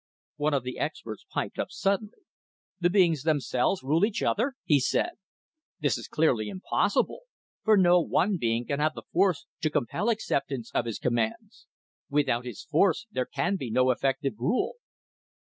One of the experts piped up suddenly. "The beings themselves rule each other?" he said. "This is clearly impossible; for, no one being can have the force to compel acceptance of his commands. Without his force, there can be no effective rule."